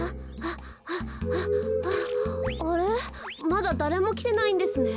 まだだれもきてないんですね。